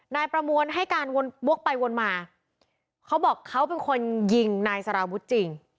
นายประมวลให้การวนวกไปวนมาเขาบอกเขาเป็นคนยิงนายสารวุฒิจริง